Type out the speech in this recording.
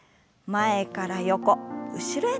前から横後ろへ。